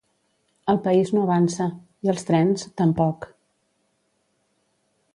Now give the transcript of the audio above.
El país no avança, i els trens, tampoc.